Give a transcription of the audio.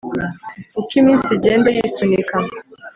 uko iminsi igenda yisunika